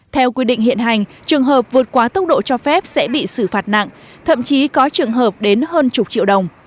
theo quy định hiện hành trường hợp vượt quá tốc độ cho phép sẽ bị xử phạt nặng thậm chí có trường hợp đến hơn chục triệu đồng